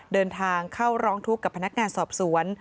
เดินทางเข้าร้องทุกข์กับพนักงานสอบสวน